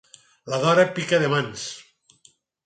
La Dora pica de mans.